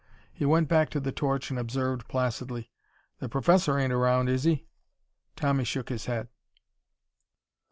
He went back to the torch and observed placidly: "The Professor ain't around, is he?" Tommy shook his head.